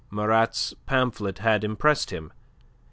Marat's pamphlet had impressed him.